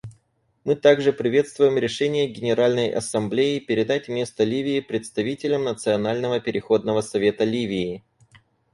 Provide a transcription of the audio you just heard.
Мы также приветствуем решение Генеральной Ассамблеи передать место Ливии представителям Национального переходного совета Ливии.